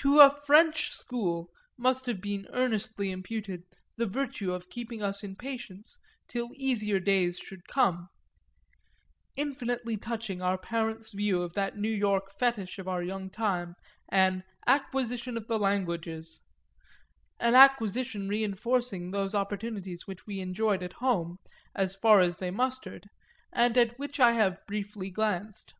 To a "French school" must have been earnestly imputed the virtue of keeping us in patience till easier days should come; infinitely touching our parents' view of that New York fetish of our young time, an "acquisition of the languages" an acquisition reinforcing those opportunities which we enjoyed at home, so far as they mustered, and at which I have briefly glanced.